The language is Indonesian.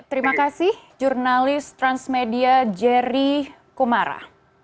terima kasih jurnalis transmedia jerry kumara